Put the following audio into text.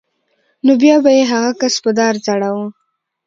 نو بیا به یې هغه کس په دار ځړاوه